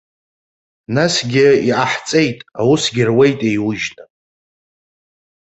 Насгьы иҟаҳҵеит, аусгьы руеит еиужьны.